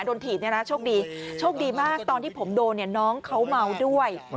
โดนถีบโชคดีมากตอนที่ผมโดนน้องเขาเมาด้วย